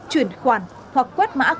chuyển khoản hoặc quét mã qr code